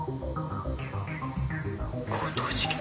強盗事件？